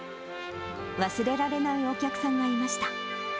忘れられないお客さんがいました。